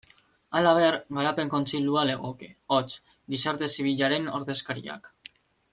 Halaber, Garapen Kontseilua legoke, hots, gizarte zibilaren ordezkariak.